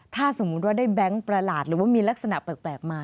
ถ้าสมมุติว่าได้แบงค์ประหลาดหรือว่ามีลักษณะแปลกมา